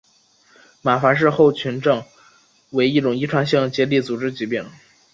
马凡氏症候群为一种遗传性结缔组织疾病。